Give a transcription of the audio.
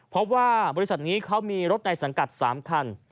บริษัทนี้เขามีรถในสังกัด๓คัน